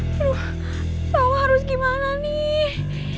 aduh sawah harus gimana nih